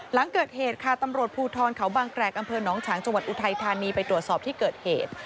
หลังเกิดเหตุค่ะตำรวจภูทรเขาบางแกรกอำเภอน้องฉางจังหวัดอุทัยธานีไปตรวจสอบที่เกิดเหตุ